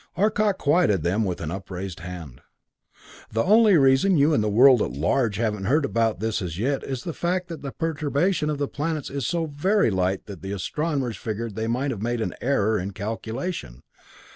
Arcot quieted them with an upraised hand. "The only reason you and the world at large haven't heard about this as yet is the fact that the perturbation of the planets is so very slight that the astronomers figured they might have made an error in calculation.